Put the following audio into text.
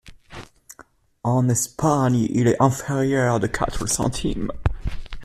En Espagne, il est inférieur de quatre centimes.